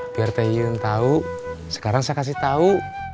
biar teh yun tahu sekarang saya kasih tahu